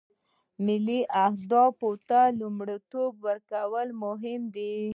ملي اهدافو ته لومړیتوب ورکول مهم دي